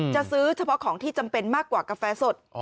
จะซื้อเฉพาะของที่จำเป็นมากกว่ากาแฟสด